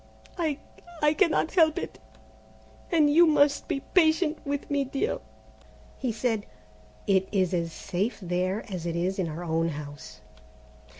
I I cannot help it, and you must be patient with me, dear." He said, "It is as safe there as it is in our own house."